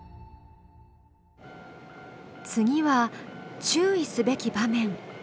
次は注意すべき場面。